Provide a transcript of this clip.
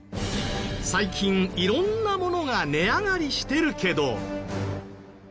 最近色んなものが値上がりしてるけど。